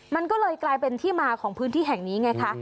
มันก็เลยกลายเป็นที่มาของพื้นที่แห่งนี้ไงคะ